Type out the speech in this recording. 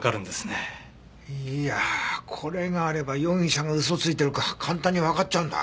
いやあこれがあれば容疑者が嘘ついてるか簡単にわかっちゃうんだ。